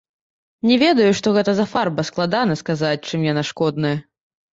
Не ведаю, што гэта за фарба складана сказаць, чым яна шкодная.